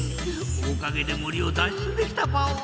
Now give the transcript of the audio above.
おかげで森を脱出できたパオ。